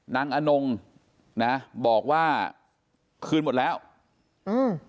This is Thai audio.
อนงนะบอกว่าคืนหมดแล้วอืม